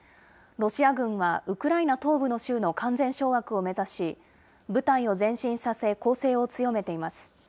ロシア軍は、ウクライナ東部の州の完全掌握を目指し、部隊を前進させ、攻勢を強めています。